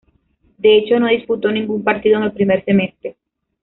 De hecho, no disputó ningún partido en el primer semestre.